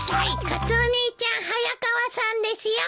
カツオ兄ちゃん早川さんですよ。